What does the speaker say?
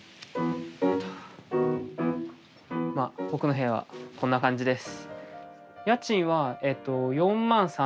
僕の部屋は、こんな感じです。